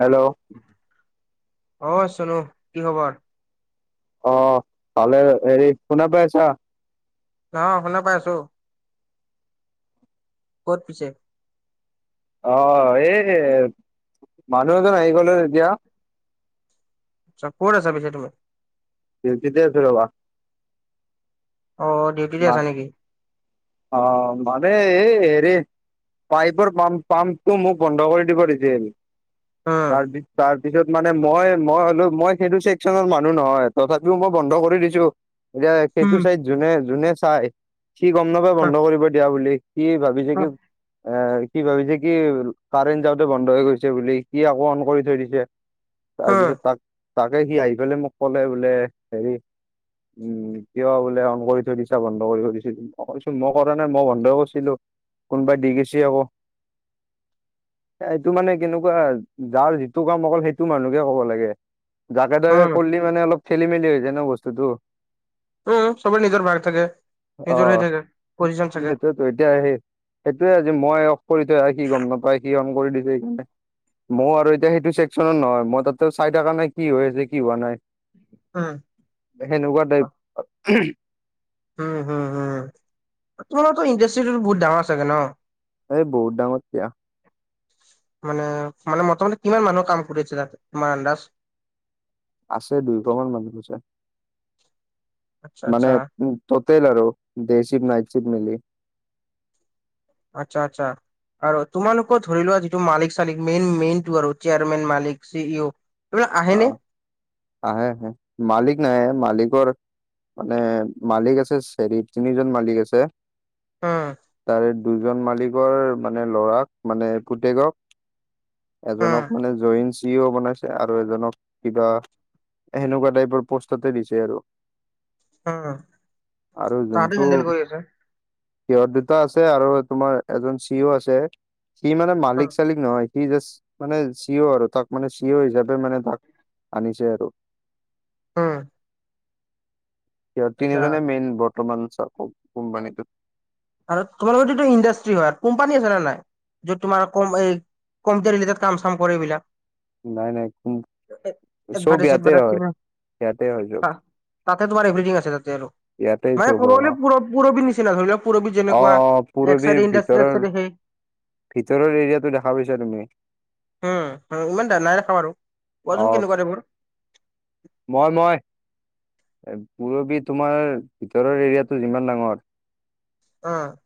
Hello? অ, চুনু কি খবৰ? অ, ভালে হেৰি শুনা পাই আছা? অহ, শুনা পাই আছো ক'ত পিছে? অ, এই মানুহ এজন আহি গ'ল অ, তেতিয়া কত আছা পিছে তুমি? ডিউটিতে আছো ৰ'বা? অ, দে ম অ, মানে এই হেৰি পাইপৰ পাম্প, পাম্পটো মোক বন্ধ কৰি দিব দিছিল উম তাৰ তাৰ পিছত মানে মই, মই হ'লো মই সেইটো চেকচনৰ মানুহ নহয় তথাপিও মই বন্ধ কৰি দিছো। এতিয়া সেইটো উম চাইড যোনে যোনে চাই সি গম নাপাই বন্ধ কৰিব দিয়া বুলি সি ভাবি [inaudible] উম এ, কি ভাবিছে কি কাৰেণ্ট যাওঁতে বন্ধ হৈ গৈছে বুলি সি আকৌ অন কৰি থৈ দিছে। তাৰপিছত তাক তাকে সি আহি পেলাই মোক ক'লে বোলে হেৰি উম, কিয় বোলে অন কৰি থৈ দিছা বন্ধ কৰিব দিছিল, মই কৈছো মই কৰা নাই। মই বন্ধই কৈৰিছিলো। কোনোবা দি গেচি আকৌ। এ, এইটো মানে কেনেকুৱা যাৰ যিটো কাম অকল সেইটো মানুহকে ক'ব লাগে। যাকে তাকে উম কৰলি মানে অলপ খেলি মেলি হৈ যায় ন বস্তুতটো। উ, সবেই নিজৰ ভাগ থাকে, নিজৰে থাকে, পজিশন থাকে। ত, এতিয়া সেই-সেইটোয়ে আজি মই অফ কৰি থৈ অহা সি গম নাপায় সি অন কৰি দিছে সেইকাৰণে মই আৰু এতিয়া সেইটো চেকচনৰ নহয় মই তাতো চাই থকা নাই কি হৈ আছে কি হোৱা নাই। অ'। সেনেকুৱা টাইপ উম, হুম, হুম, তোমাৰতো ইণ্ডাষ্ট্ৰিটো বহুত ডাঙৰ চাগে ন। এই, বহুত ডাঙৰ দিয়া। মানে, মানে, মোটামোতি কিমান মানুহ কাম কৰি আছে, তাত তোমাৰ আন্দাজ আছে, দুইশ মান মানুহ আছে আচ্ছা মানে আচ্ছা ততেল আৰু দে চিপ, নাইক চিপ, মিলি আচ্ছা, আচ্ছা, আৰু তোমালোকৰ ধৰি লোৱা, যিটো মালিক চালিক মেইন মেইন টো আৰু চেয়াৰমেন মালিক চি ইউ অ', আহে আহে মালিক নাই মালিকৰ মানে মালিক আছে, চেৰি তিনিজন মালিক আছে। উম তাৰে, দুজন মালিকৰ মানে লৰাক, মানে পুতেকক উম এজনক মানে, জই চিও বনাইছে আৰু এজনক কিবা, সেনেকুৱা টাইপৰ পষ্টতে দিছে আৰু উম আৰু তাহাঁতে যোনটো হেণ্ডেল কৰি আছে সিহত দুটা আছে, আৰু তোমাৰ এজন চি অ আছে সি মানে মালিক চালিক নহয়, সি জাষ্ট মানে চি অ আৰু তাক মানে চি অ হিচাপে। মানে, তাক আনিছে আৰু। অ', সিহঁত তিনিজনে মেইন বৰ্তমান কোম্পানীটোত আৰু, তোমালোকৰত এইটো ইণ্ডাষ্ট্ৰি হয় আৰু কোম্পানী আছে নে নাই? যত, তোমাৰ এই কম্পিউটাৰি কাম চাম কৰে এইবিলাক। নাই, নাই, চব এডভাৰটাইজ ইয়াতে হয় চেডভাৰটাইজ ইয়াতে হয় তাতে, তোমাৰ এভৰিথিং আছে, তাতে আৰু ইয়াতে মানে চব ক'ব হয় গ'লে অ পৰবিৰ নিচিনা ধৰি লক পৰবিৰ অ', অ', পুৰবীৰ ভিতৰৰ সেই এৰিয়াতটো দেখা পাইছা তুমি উম, ইমান ডাঙৰে খাম, আৰু অ কোৱাচোন কেনেকুৱা এইবোৰ মই, মই, পুৰবি তোমাৰ, ভিতৰৰ এৰিয়াটো যিমান ডাঙৰ অ',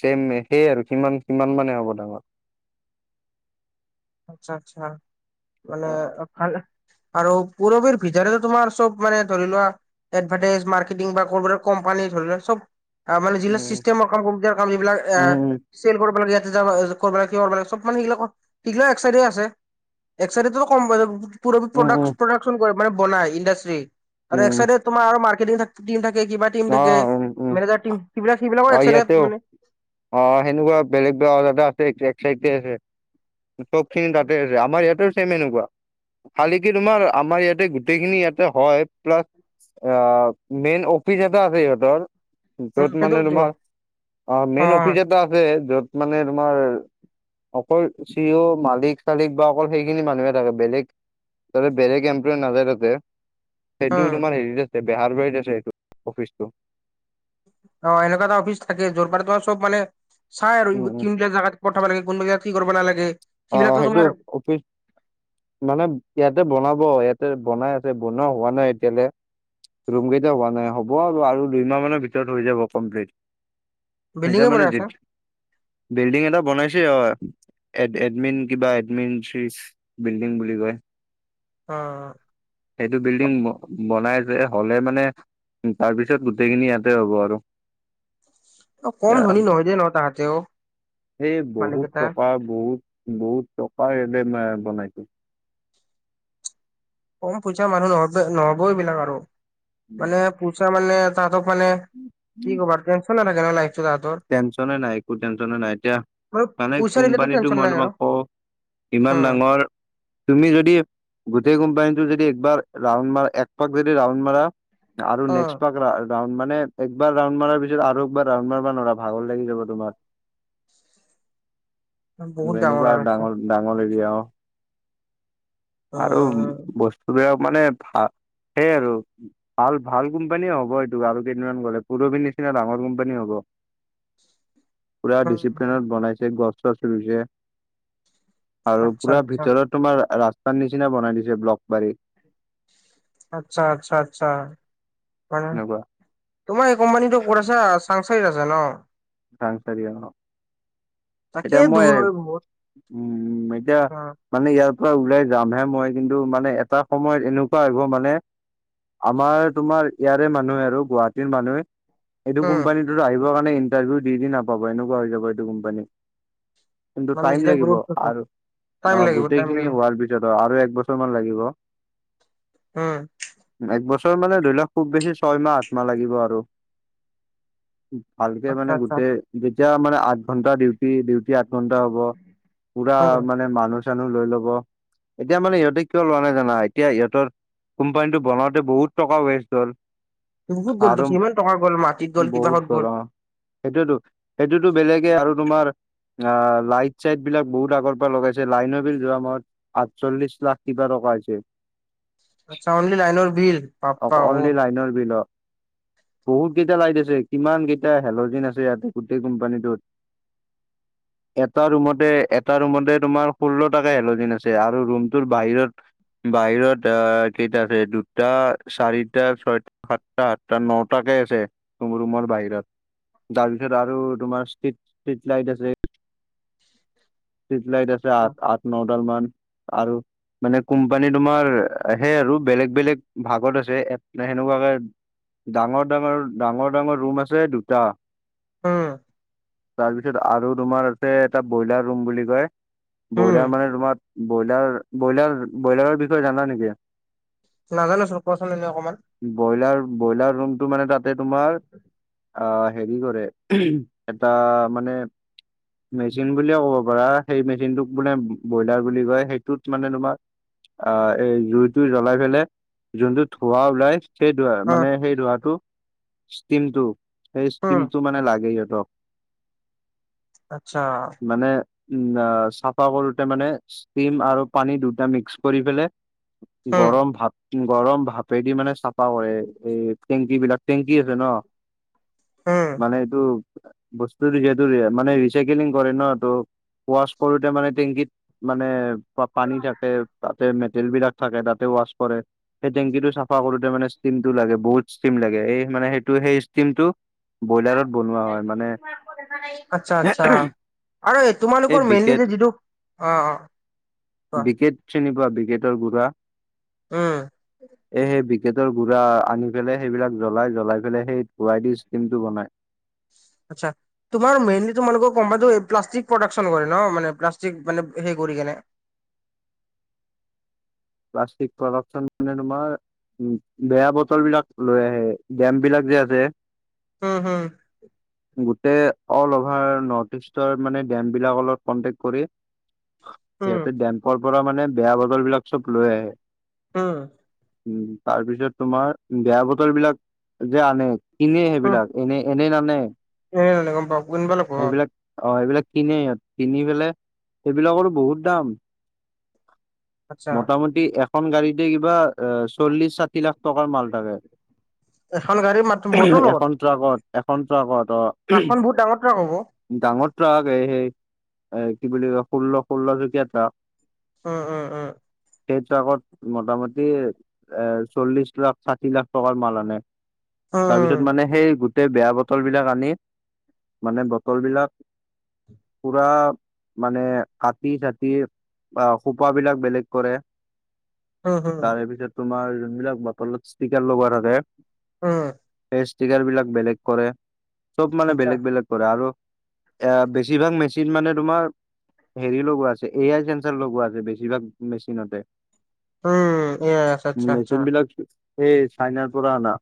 চেম, একেই আৰু, কিমান কিমান মানে হ'ব ডাঙৰ আচ্ছা, আচ্ছা, মানে অ, আৰু, পুৰবীৰ ভিতৰে, তোমাৰ চব মানে ধৰি লোৱা এডভেটাইজ মাৰ্কেটিং বা কোম্পানী ধৰি লক চব মানে জিলা উম ছিষ্টেমৰ যিবিলাক কৰিব লাগে, উম কৰিব ল কৰিব লাগে সব মানে সেইবিলাক এগিলা একাইডে আছে, একসাইডো উম উম প্ৰদাকচন মানে, বনাই ইণ্ডাষ্ট্ৰি আৰু এক উম চাইডে তোমাৰ আৰু মাৰ্কেটি থাকে কিবা অ থাকে উম উম মেনেজাৰ, টম সিলাক অ সবিলাক ইয়াতেও মানে অ', সেনেকুৱা বেলেগ বোৱা আছে এক্সাইটেড আছে। চব খিনি তাতে আছে, আমাৰ ইয়াতে ছেম এনেকুৱা শালিকি তোমাৰ, আমাৰ ইয়াতে গোটেইখিনি ইয়াতে হয়, প্লাছ মেইন অফিচ এটা আছে, সিহঁতৰ য'ত মানে, সেইটো তোমাৰ অ', মেইন অফিচ এটা আছে য'ত মানে তোমাৰ অকল চি, অ, মালিক চালিক বা অকল সেইখিনি মানুহে থাকে বেলেগ তাতে বেলেগ এমপ্লই নাজায় তাতে। সেইটো অ' তোমাৰ হেৰিত আছে বেহাৰ বাৰিত আছে সেইটো অফিচটো। অ', এনেকুৱা এটা অফিচ থাকে, যোত চব মানে চাই আৰু উম উম তিনিটা জাগাত পঠাব লাগে, কোনোব জয়া কি কৰিব নালাগে অ', সেইবিলাকতো সেইটো তোমাৰ অফিচ মানে ইয়াতে বনাব, ইয়াতে বনাই আছে বনোৱা হোৱা নাই এতিয়ালৈ ৰুম কেইটা হোৱা নাই হ'ব, আৰু আৰু দুইমাহ মানৰ ভিতৰত হৈ যাব কমপ্লিট। বিল্ডিঙে এতিয়া বনাই আছে মানে, বিল্ডিং এটা বনাইছে অ। এডমিন কিবা এডমিন চি বিল্ডিং বুলি কয় অ সেইটো বিল্ডিং বনাই যে হ'লে মানে তাৰপিছত গোটেইখিনি ইয়াতে হ'ব আৰু অ কম উম ধনী এ নহয় দে ন তাহাঁতেও সেই মানুহ বহুত কেইটা টকা বহুত বহুত টকা এদ [unintelligible] কম পইচা মানুহ নহব নহব এইবিলাক আৰু মানে পইচা মানে তাহতক মানে কি ক'বাৰ তেনছন নাথাকে তাত টেনচনে নাই একো টেনচনে নাই এতিয়া মানে পইচা ৰিলেটেড কোম্পানীটো টেনচন মই নাই আৰু তোমাক কওঁ অ ইমান ডাঙৰ তুমি যদি গোটেই কোম্পানীটো যদি একবাৰ ৰাউন মাৰ এক পাক যদি ৰাউণ্ড মাৰা আৰু অ নেক্সট বা মানে একবাৰ ৰাডণ্ড মাৰা পিছত আৰুএবাৰ ৰাউণ্ড মাৰবা নোৱাৰা ভাগৰ লাগি যাব তোমাৰ। বহুত এনেকুৱা আৰু ডাঙৰ ডাঙৰ এৰিয়া অ'। অ আৰু বস্তুবিলাক মানে ভাল সেইয় আৰু। ভাল ভাল কোম্পানীয়ে হ'ব এইটো আৰু কেইদিনমান গ'লে পুৰবি নিচিনা ডাঙৰ কোম্পানী হ'ব। পুৰা অ ডিচিপ্লিনত বনাইছে গছ চচ ৰুইছে। আৰু আচ্ছা পুৰা আচ্ছা ভিতৰত তোমাৰ ৰাস্তাৰ নিচিনা বনাই দিছে ব্লক পাৰী। আচ্ছা আচ্ছা আচ্ছা মানে এনেকুৱা তোমাৰ এই কোম্পানীটো ক'ত আছে চাংচাৰিত আছে ন। চাংচাৰিত অ'। তাকে এতিয়া মই দূৰ হয় বহুত উম, এতিয়া উম মানে ইয়াৰ পৰা ওলাই যামহে মই কিন্তু মানে এটা সময়ত এনেকুৱা আহিব মানে আমাৰ তোমাৰ ইয়াৰে মানুহে আৰু গুৱাহাটীৰ মানুহে এইটো উম কোম্পানীতো আহিবৰ কাৰণে ইণ্টাৰভিউ দি নাপাব এনেকুৱা হৈ যাব এইটো কোম্পানীত। কিন্তু মানে টাইম যেতিয়া লাগিব গ্ৰোথ হ'ব আৰু টাইম অ লাগিব টাইম গোটেইখিনি লাগিব হোৱাৰ পিছত আৰু এক বছৰ মান লাগিব। উম। একবছৰ মানে ধৰি লওক খুব বেছি ছয়মাহ আঠ মাহ লাগিব আৰু। ভালকে আচ্ছা মানে আচ্ছা গোটেই যেতিয়া মানে আঠ ঘন্টা ডিউটি উি আঠ ঘণ্টা হব পুৰা উম মানে মানুহ চানুহ লৈ ল'ব। এতিয়া মানে সিহঁতে কিয় লোৱা নাই জানা এতিয়া ইিহঁতৰ কোম্পানীটো বনাওঁতে বহুত টকা ৱেষ্ট হ'ল। বহুত গ'ল আৰু সিমান টকা গ'ল মাটিত গ'ল কিবাহত গ'ল। সেইটোইতো সেইটোতো বেলেগে আৰু তোমাৰ অ' লাইট চাইট বিলাক বহুত আগৰ পৰা লগাইছে লাইনৰ বিল যোৱা মাহত আঠচল্লিশ লাখ কিবা টকা আ হৈছে। আচ্ছা অনলি লাইনৰ বিল বাপ্পা অ' অনলি লাইনৰ বিলত। বহুত কেইটা লাইট আছে কিমান কেইটা হেলজিন আছে ইয়াতে গোটেই কোম্পানীটোত। এটা ৰুমতে এটা ৰুমতে তোমাৰ ষোল্ল টকা হেলজিন আছে আৰু ৰুমটোৰ বাহিৰত বাহিৰত আ কেইটা আছে দুটা চাৰিটা ছয় সাতটা সাতটা নটাকে আছে তুম ৰুমৰ বাহিৰত। তাৰপিছত আৰু তোমাৰ ষ্ট্ৰিট ষ্ট্ৰিট লাইট আছে। ষ্টিট লাইট আছে আঠ আঠ নডাল মান আৰু মানে কোম্পানী তোমাৰ সেই আৰু বেলেগ বেলেগ ভাগত আছে সেনেকুৱাকে ডাঙৰ, ডাঙৰ, ডাঙৰ ডাঙৰ ৰুম আছে দুটা। উম তাৰপিছত আৰু তোমাৰ আছে এটা ব্ৰইলাৰ ৰুম বুলি কয়। উম ব্ৰইলাৰ মানে তোমাৰ ব্ৰইলাৰ ব্ৰইলাৰ ব্ৰইলাৰৰ বিষয়ে জানা নেকি? নাজানো চোন কোৱাচোন এনে অকণমান। ব্ৰইলাৰ ব্ৰইলাৰ ৰুমতটো মানে তাতে তোমাৰ আহ হেৰি কৰে এটা মানে মেচিন বুলি ক'ব সেই মেচিনটোক মানে ব্ৰইলাৰ বুলি কয় সেইটোত মানে তোমাৰ অ' এই জুইতটো জ্বলাই পেলাই যোনটো ধোৱা ওলাই সেইটোৱে সেই ধৰা উম মানে সেই ধোৰাটো ষ্টিমটো সেই উম ষ্টিমটো মানে লাগে সহঁতক। আচ্ছা। মানে উ চাফা কৰোতে মানে ষ্টিম আৰু পানী দুটা মিক্স কৰি পেলাই উম গৰম ভাত। গৰম ভাপেদি মানে চাফা কৰে এই টেংকী বিলাক টেংকি আছে ন। [inaudible] উম। মানে এইটো বস্তুটো যিহেতু ৰি মানে ৰিচাইকেলিং কৰে ন ত'। ৱাছ কৰোঁতে মানে টেংকিত মানে পা পানী থাকে তাতে মেটেল বিলাক থাকে তাতে ৱাশ কৰে সেই টেংকিটো চাফা কৰোতে মানে ষ্টিমটো লাগে বহুত ষ্টিম লাগে এই মানে সেইটো সেই ষ্টিমটো। চাও ব্ৰইলাৰত বনোৱা হয় মানে [unintelligible] দেখা হেৰী আতচা আতচা আৰু এই তোমালোকৰ মেইনলি যে যিটো অ', অ' কোৱা বিকেট চিনি পোৱা বিকেটৰ গুঢ়া উম। এ সেই বিকেটৰ গুড়া আনি পেলাই সেইবিলাক জ্বলাই জ্বলাই পেলাই সেই ধুৱাই দি ষ্টিম টো বনাই। আতছা তোমাৰ মেইনলি তোমালোকৰ কমপাতো প্লাষ্টিক প্ৰডাকচন কৰে ন মানে প্লাষ্টিক মানে হে কৰি কেনে। প্লাষ্টিক প্ৰদাকশ্যন মানে তোমাৰ উম বেয়া বতল বিলাক লৈ আহে ডেম বিলাক যে আছে। উম হম গোটেই অল অভাৰ নৰ্থ ইষ্টৰ মানে ডেম বিলাকৰ লগত কনটেক্ট কৰি সা উম সিহতে ডেম্পৰ পৰা মানে বেয়া বতল বিলাক চব লৈ আহে। উম। উম তাৰ পিছত তোমাৰ বেয়া বতল বিলাক যে আনে কিনে উম সেইবিলাক এনে এ এনে নানে এনে নানে গম পাওঁ [unintelligible] সেইবিলাক অ', সেইবিলাক কিনে সিহঁত কিনি পেলাই সেইবিলাকৰো বহুত দাম আচ্ছা মোটামটি এখন গাড়ীতে কিবা এ চল্লিশ ষাঠি লাখ টকাৰ মাল থাকে এখন গাড়ী মাত উহঃ বটল লগত এখন ত আগত এখন ত আগত অ' ট্ৰাকখন বহুত ডাঙৰ ট্ৰাক হব। ডাঙৰ ট্ৰাকেই সেই এ কি বুলি ষোল্ল ষোল্লচকীয়া ট্ৰাক। উম উম উম সেইটো আগত মোটামুটি এ এ চল্লিশ লাখ ষাঠি লাখ টকাৰ মাল আনে উম তাৰপিছত উম মানে সেই গোটেই বেয়া বটল বিলাক আনি মানে ব তল বিলাক পুৰা মানে কাটি চাতি বা সূপা বিলাক বেলেগ কৰে। উম হম তাৰে পিছত তোমাৰ যোনবিলাক বটলত ষ্টিকাৰ লগোৱা থাকে উম সেই ষ্টিকাৰ বিলাক বেলেগ কৰে চব মানে আচ্ছা বেলেগ বেলেগে কৰে আৰু এ বেছিভাগ মেচিন মানে তোমাৰ হেৰি লগোৱা আছে এ আই চেঞ্চৰ লগোৱা আছে বেছিভাগ মেচিনতে উম য়েছ আচ্ছা আচ্ছা মেচিন বিলাক এই চাইনাৰ পৰা আনা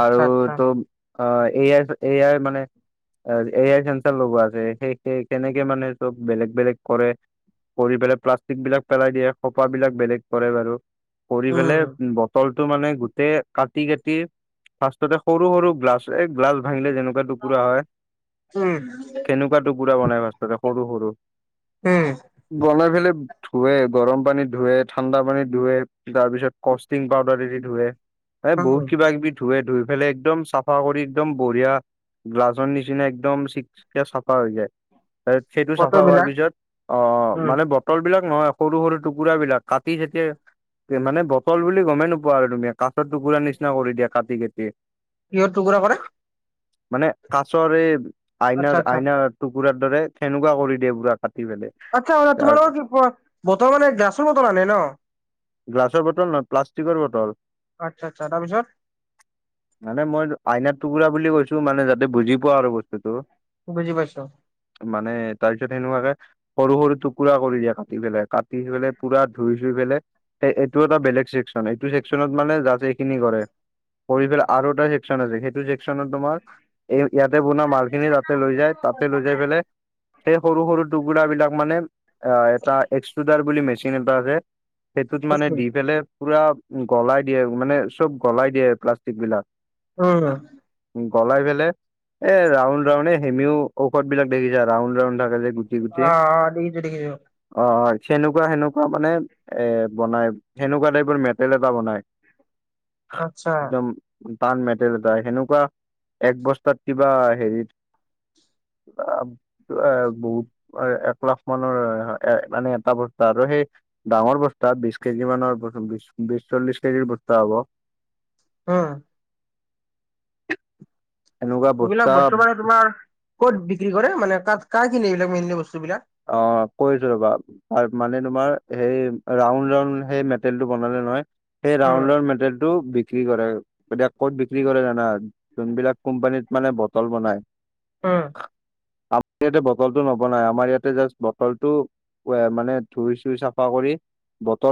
আচ্ছা আচ্ছা তোম অ' এ আই চফ এ আই মানে চব এ আই চেঞ্চাৰ লগোৱা আছে সেই সেই কেনেকে মানে চব বেলেগ বেলেগ কৰে। কৰি পেলাই প্লাষ্টিক বিলাক পেলাই দিয়ে সোফা বিলাক বেলেগ কৰে বাৰু কৰি উম পেলাই ব তলটো মানে গোটেই কাটি কাটি ফাৰ্ষ্টততে সৰু সৰু গ্লাছ এই গ্লাছ ভাঙিলে যেনোক বা টোকুৰা হয়। উম কেনেকুৱা টুকুৰা বনাই ফাৰ্ষ্টততে সৰু সৰু উম বনাই পেলাই ধোৱে গৰম পানীত ধোৱে ঠাণ্ডা পানীত ধোৱে তাৰ পিছত কষ্টিং পাউদাৰ দিদি ধুৱে। এ বহুত উম কিবা কিবি ধুুৱে ধুই পেলাই একদম চাফা কৰি একদম বঢ়িয়া গিলাচ নিচিনা একদম চিক চিকিয়া চাফা হৈ যায়। এপ চিটো চাফা বটল হোৱাৰ বিলাক পিছত অ', উম মানে ব বতল বিলাক নহয় সৰু সৰু টুকুৰা বিলাক কাটি থাকে মানে বটল বুলি গমেই নোপোৱা আৰু তুমি কাছত টুকুৰা নিচিনা কৰি দিয়া কাটি কাটি কিহৰ টুকুৰা কৰে মানে কাছৰ এই আচ্ছা আইনাৰ আচ্ছা আইনাৰ টুকুৰাৰ দৰে সেনেকুৱা কৰি দিয়ে বুৰা কাটি পেলে আচ্ছা তোমালোকৰ কি বতৰ মানে গিলাচ বতল আনে ন গিলাচ বটল নহয় প্লাষ্টিকৰ বটল আচ্ছা আচ্ছা তাৰ পিছত মানে মই আইনা টুকুৰা বুলি কৈছো মানে যাতে বুজি পোৱা আৰু বস্তুটো খুব বুজি পাইচো মানে তাৰপিছত সেনেকুৱাকে সৰু সৰু টুকুৰা কৰি দিয়া কাটি পেলাই কাটি পেলাই পোৰা ধুই চুই পেলাই এইটো এটা বেলেগ চেকচন এইটো চেকচনত মানে জাচ এইখিনি কৰে। কৰিপেলে আৰু এটা চনৰ য়ে সেইটো চেকচনৰ তোমাৰ এই ইয়াতে বনা মাল খিনি তাতে লৈ যায় তাতে লৈ যাই পেলাই সেই সৰু সৰু টুকুৰা বিলাক মানে অ এটা এক্সুডাৰ বুলি মেচিন এটা আছে সেইটোত মানে উম দি পেললে পুৰা গলাই দিয়ে মানে চব গলাই দিয়ে প্লাষ্টিক বিলাক অ' গলাই পেললে এ ৰাউণ্ড ডাউনে হেনেও ঔষধ বিলাক দেখিছা ৰাউণ্ড ৰাউণ্ড থাকে য়ে গুটি গুটি অ অ দেখিছো দেখিছো অ', হয় সেনেকুৱা হেনেকুৱা মানে এ বনাই সেনেকুৱা টাইপৰ মেটেল এটা বনাই [inaudible] আচ্ছা একদম টান মেটেল এটা সেনেকুৱা এক বস্তাত কিবা হেৰি [inaudible] এ বহুত এক লাখ মানৰ এ মানে এটা বস্তা আৰু সেই ডাঙৰ বস্তা বিশ কেজি মানৰ বিশ বিশ চল্লিশ কেজিৰ বস্তা হ'ব ওম এনেকুৱা এইবিলাক বস্তা বস্তু মানে তোমাৰ ক'ত বিক্ৰী কৰে মানে কা কা কিননে এইবিলাক মেইনলি বস্তু বিলাক অ', কৈছো ৰবা তাৰ মানে তোমাৰ সেই ৰাউণ্ড ৰাউণ্ড সেই মেটেলটো বনালে নহয় সেই ৰাউণ্ড উম, ৰাউণ্ড মেটেলটো বিক্ৰী বিক্ৰী কৰে ক'ত বিক্ৰী কৰে জানা যোনবিলাক কোম্পানীত মানে বটল বনাই ওম আমাৰ ইয়াতে বটলতটো নবনাই আমাৰ ইয়াত জাচ বছৰটো ও মানে ধুৰি চুৰি চাফাকৰি বতল